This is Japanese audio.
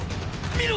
見ろ！